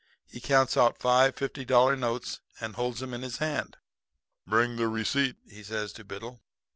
"He counts out five fifty dollar notes and holds 'em in his hand. "'Bring the receipt,' he says to Biddle.